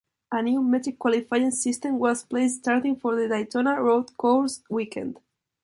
A new metric qualifying system was placed starting for the Daytona Road Course weekend.